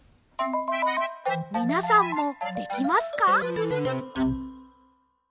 みなさんもできますか？